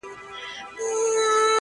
په ګاونډ کي پاچاهان او دربارونه.!